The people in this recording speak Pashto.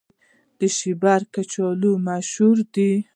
د شیبر کچالو مشهور دي